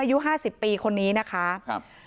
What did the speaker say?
อายุห้าสิบปีคนนี้นะคะครับ